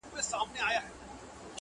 د وخت خدايان که چي زر ځلې په کافر وبولي